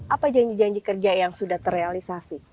apa janji janji kerja yang sudah terrealisasi